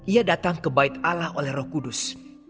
ia datang kebaik allah oleh roh kudus